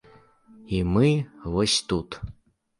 І мы вось тут.